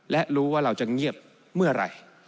และรู้ว่าเราจะเงียบเมื่อไหร่